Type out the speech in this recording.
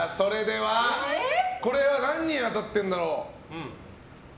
これは何人当たってるんだろ？